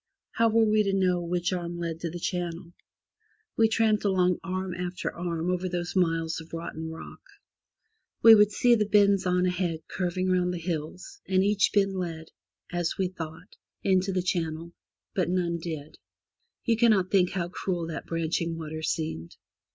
How were we to know which arm led to the channel? We tramped along arm after arm over those miles of rotten rock. We would see the bends on ahead curving round the hills, and each bend led, as we thought, into the channel, but none did. You cannot think how cruel that branching water seemed.